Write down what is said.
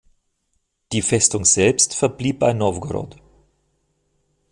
Die Festung selbst verblieb bei Nowgorod.